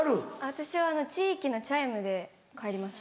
私は地域のチャイムで帰りますね。